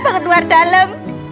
sangat luar dalem